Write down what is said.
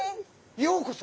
ようこそ。